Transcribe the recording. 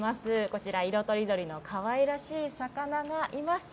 こちら、色とりどりのかわいらしい魚がいます。